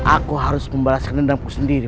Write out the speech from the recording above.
aku harus membalaskan dendamku sendiri